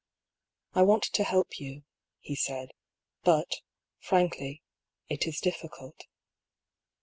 " I want to help you," he said ;" but, frankly, it is difficult."